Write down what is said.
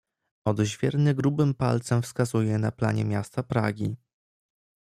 "Odźwierny grubym palcem wskazuje na planie miasta Pragi."